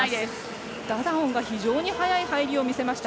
ダダオンが非常に速い入りを見せました。